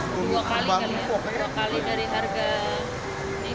dua kali dari harga